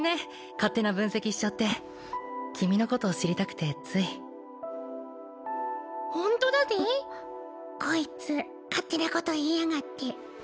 勝手な分析しちゃって君のこと知りたくてつい「ホントだぜこいつ勝手なこと言いやがって」